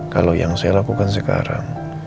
kalau yang saya lakukan sekarang